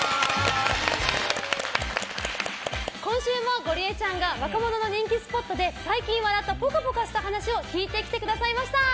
今週もゴリエちゃんが若者の人気スポットで最近笑ったぽかぽかした話を聞いてきてくださいました。